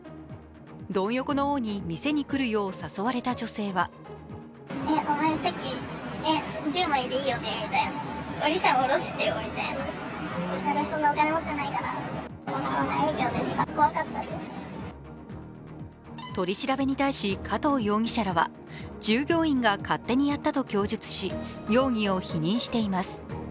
ドン横の王に店に来るよう誘われた女性は取り調べに対し、加藤容疑者らは従業員が勝手にやったと供述し容疑を否認しています。